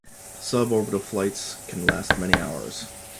Sub-orbital flights can last many hours.